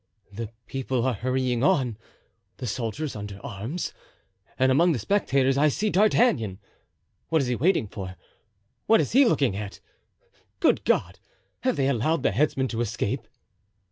"The people are hurrying on, the soldiers under arms, and among the spectators I see D'Artagnan. What is he waiting for? What is he looking at? Good God! have they allowed the headsman to escape?"